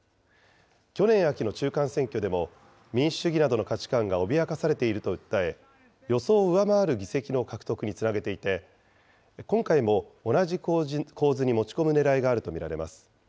去年秋の中間選挙でも、民主主義などの価値観が脅かされていると訴え、予想を上回る議席の獲得につなげていて、今回も同じ構図に持ち込むねらいがあると見られます。